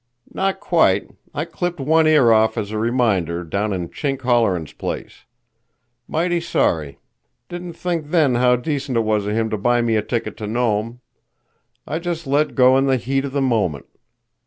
"Not quite. I clipped one ear off as a reminder, down in Chink Holleran's place. Mighty sorry. Didn't think then how decent it was of him to buy me a ticket to Nome. I just let go in the heat of the moment.